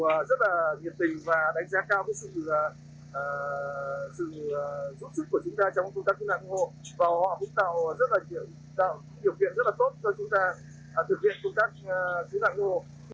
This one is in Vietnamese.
và họ cũng tạo điều kiện rất là tốt cho chúng ta thực hiện công tác cứu nạn ngũ hộ